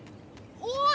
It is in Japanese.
おい！